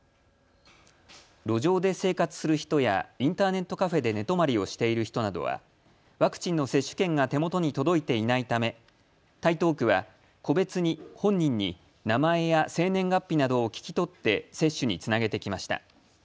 路上で生活する人やインターネットカフェで寝泊まりをしている人などはワクチンの接種券が手元に届いていないため台東区は個別に本人に名前や生年月日などを聞き取って接種につなげてきました。